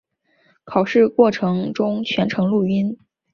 考试过程中全程录音。